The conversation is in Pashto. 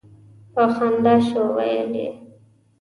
په خندا شو ویل یې.